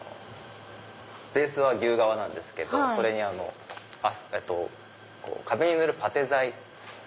ベースは牛革なんですけどそれに壁に塗るパテ材が。